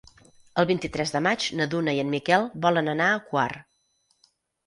El vint-i-tres de maig na Duna i en Miquel volen anar a Quart.